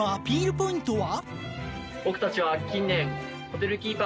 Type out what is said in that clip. ポイントは？